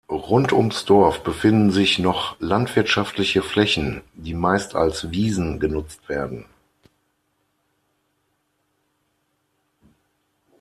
Rund ums Dorf befinden sich noch landwirtschaftliche Flächen, die meist als Wiesen genutzt werden.